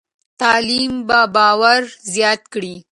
تعلیم به باور زیات کړي.